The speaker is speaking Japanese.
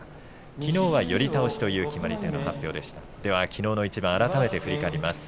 きのうは寄り倒しという決まり手の発表でした。